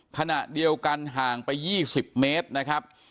ขณะเดียวกันห่างไป๒๐เมตรนะครับ